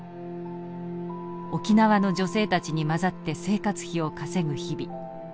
沖縄の女性たちに交ざって生活費を稼ぐ日々。